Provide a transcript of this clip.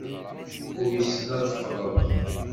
Uysen ad feḍren.